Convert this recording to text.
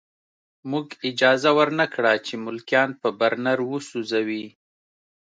موږ اجازه ورنه کړه چې ملکیان په برنر وسوځوي